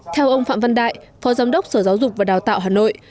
theo ông phạm văn đại phó giám đốc sở giáo dục và đào tạo hà nội